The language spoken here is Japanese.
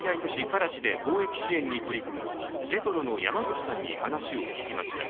カラチで貿易支援に取り組むジェトロの山口さんに話を聞きました。